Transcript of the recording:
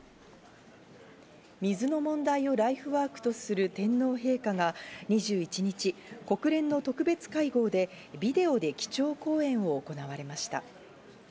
水の問題をライフワークとする天皇陛下が２１日、国連の特別会合で、ビデオで基調講演を行われました。